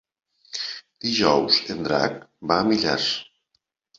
Dijous en Drac va a Millars.